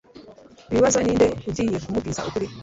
Ikibazo ninde ugiye kumubwiza ukuri